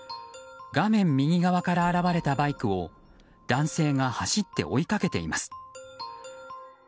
画面右側から現れたバイクを男性が走って追いかけています。